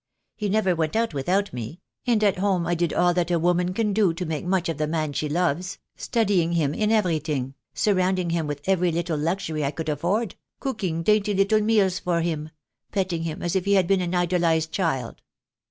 He never went out without me: and at home I did all that a woman can do to make much of the man she loves, studying him in everything, surround ing him with every little luxury I could afford, cooking dainty little meals for him, petting him as if he had been an idolized child.